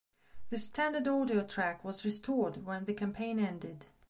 The standard audio track was restored when the campaign ended.